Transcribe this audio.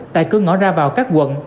tại cư ngõ ra vào các quận